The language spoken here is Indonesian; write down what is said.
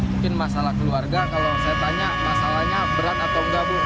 mungkin masalah keluarga kalau saya tanya masalahnya berat atau enggak bu